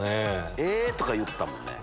「え？」とか言ったもんね。